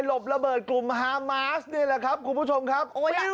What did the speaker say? บระเบิดกลุ่มฮามาสนี่แหละครับคุณผู้ชมครับ